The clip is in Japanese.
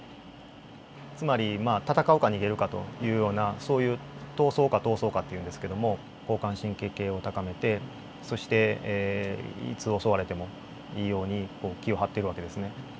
つまりまあ戦うか逃げるかというようなそういう闘争か逃走かっていうんですけども交感神経系を高めてそしていつ襲われてもいいように気を張ってる訳ですね。